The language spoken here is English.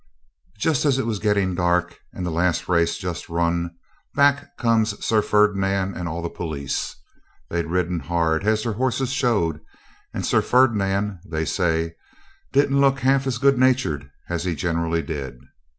Just as it was getting dark, and the last race just run, back comes Sir Ferdinand and all the police. They'd ridden hard, as their horses showed, and Sir Ferdinand (they say) didn't look half as good natured as he generally did.